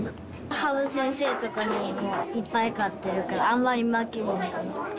羽生先生とかにもいっぱい勝ってるから、あんまり負けへんから。